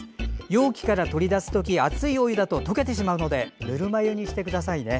容器から取り出すとき熱いお湯だと溶けてしまうのでぬるま湯にしてくださいね。